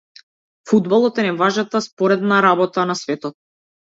Фудбалот е најважната споредна работа на светот.